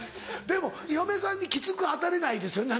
でも嫁さんにきつく当たれないですよね